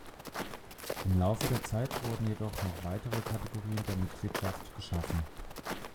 Im Laufe der Zeit wurden jedoch noch weitere Kategorien der Mitgliedschaft geschaffen.